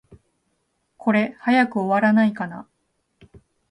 これ、早く終わらないかな。